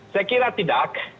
saya kira tidak